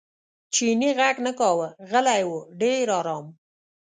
چیني غږ نه کاوه غلی و ډېر ارام.